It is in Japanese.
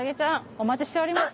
お待ちしておりました。